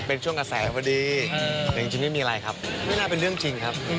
เป็นช่วงกระแสพอดีแต่จริงไม่มีอะไรครับไม่น่าเป็นเรื่องจริงครับ